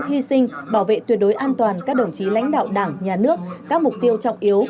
hy sinh bảo vệ tuyệt đối an toàn các đồng chí lãnh đạo đảng nhà nước các mục tiêu trọng yếu